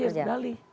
itu lah rakyat dalih